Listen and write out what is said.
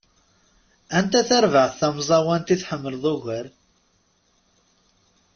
Anta tarbaεt tamẓawant i tḥemmleḍ ugar?